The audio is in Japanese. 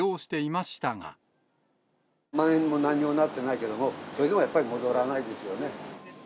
まん延にもなんにもなってないですけども、それでもやっぱり戻らないですよね。